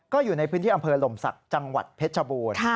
ก็อยู่ในพื้นที่อำเภอหลมศักดิ์จังหวัดเพชรชบูรณ์